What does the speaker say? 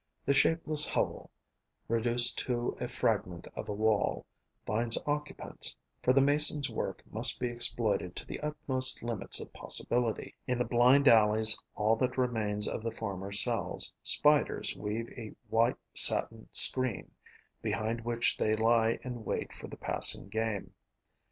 The shapeless hovel, reduced to a fragment of a wall, finds occupants, for the Mason's work must be exploited to the utmost limits of possibility. In the blind alleys, all that remains of the former cells, Spiders weave a white satin screen, behind which they lie in wait for the passing game.